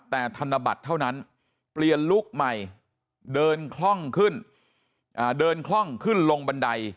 แต่ธนบัตรเท่านั้นเปลี่ยนลุคใหม่เดินคล่องขึ้นเดินคล่องขึ้นลงบันได